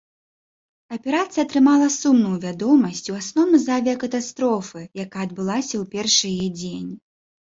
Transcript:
Аперацыя атрымала сумную вядомасць у асноўным з-за авіякатастрофы, якая адбылася ў першы яе дзень.